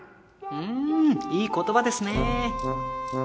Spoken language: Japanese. うんいい言葉ですね。